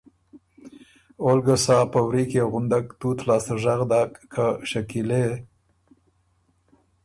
اول ګه سا په وریکيې غُندک تُوت لاسته ژغ داک که شکیلے!